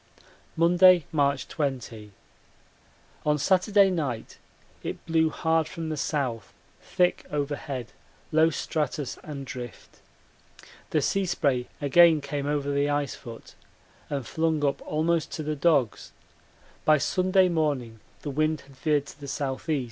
Monday, March 20. On Saturday night it blew hard from the south, thick overhead, low stratus and drift. The sea spray again came over the ice foot and flung up almost to the dogs; by Sunday morning the wind had veered to the S.E.